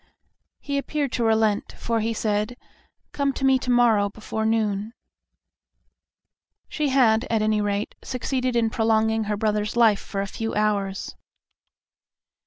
He appeared to relent, for he said, "Come to me to morrow before noon." She had, at any rate, succeeded in prolonging her brother's life for a few hours.'